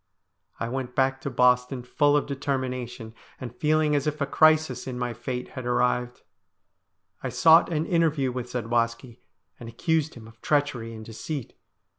I went back to Boston full of determination, and feeling as if a crisis in my fate had arrived. I sought an interview with Zadwaski, and accused him of treachery and deceit.